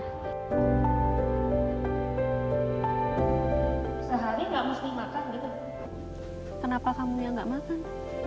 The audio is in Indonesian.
sehari nggak mesti makan gitu kenapa kamu yang nggak makan